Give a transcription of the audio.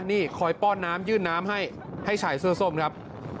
นี่คอยป้อนน้ำยื่นน้ำให้ให้ชายเสื้อส้มครับ